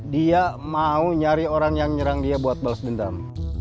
dia mau nyari orang yang nyerang dia buat balas dendam